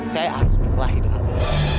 saya harus berkelahi denganmu